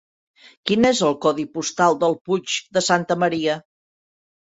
Quin és el codi postal del Puig de Santa Maria?